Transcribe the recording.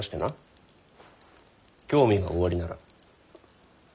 興味がおありなら。